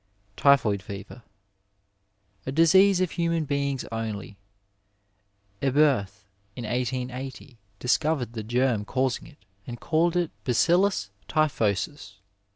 Typhoid Fever. — ^A disease of human beings only. Eberth in 1880 discovered the germ causing it and called it BaoiUus typhosus.